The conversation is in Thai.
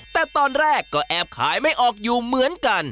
แต่ตอนแรกก็แอบขายไม่ออกอยู่เหมือนกัน